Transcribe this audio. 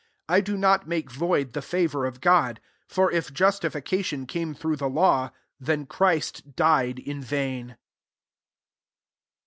21 1 do not make void the favour of God : for if justification come through the law, then Christ died in vain."